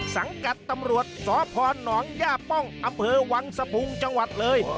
สังกัดตำรวจสพหนองย่าป้องอำเภอวังสะพุงจังหวัดเลย